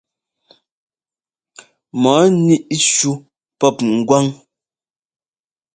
Mɔɔ níʼ shú pɔp ŋgwán.